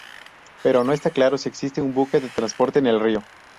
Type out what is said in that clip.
Pero no está claro si existe un buque de transporte en el río.